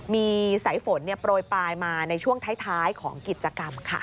มีสายฝนโปรยปลายมาในช่วงท้ายของกิจกรรมค่ะ